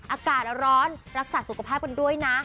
อากาศร้อนรักษาสุขภาพกันด้วยนะ